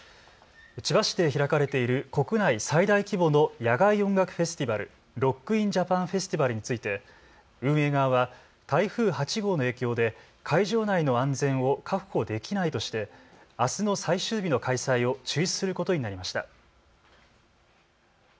千葉市で開かれている国内最大規模の野外音楽フェスティバル、ロック・イン・ジャパン・フェスティバルについて運営側は台風８号の影響で会場内の安全を確保できないとしてあすの最終日の開催を中止することになりました。